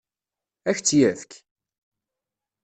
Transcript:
Ad k-tt-yefk?